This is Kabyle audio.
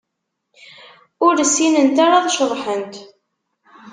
Ur ssinent ara ad ceḍḥent.